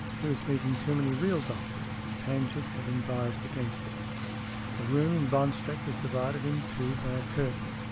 He was meeting too many real doctors, and Tangent had advised against it. The room in Bond Street was divided in two by a curtain.